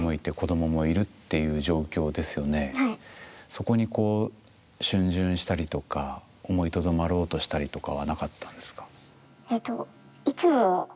そこにこうしゅん巡したりとか思いとどまろうとしたりとかはなかったんですか？